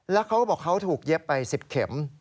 แล้วเขาบอกเขาถูกเย็บไป๑๐เข็ม